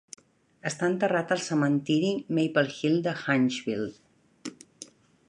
Està enterrat al cementiri Maple Hill de Huntsville.